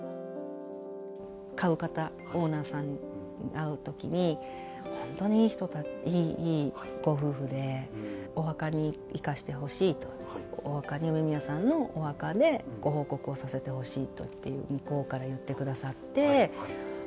買う方、オーナーさんに会うときに、本当にいいご夫婦で、お墓に行かせてほしいと、お墓に梅宮さんに、お墓でご報告をさせてほしいと、向こうから言ってくださって。